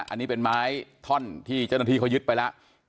อันนี้เป็นไม้ท่อนที่เจ้าหน้าที่เขายึดไปแล้ว